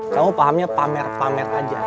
kamu pahamnya pamer pamer aja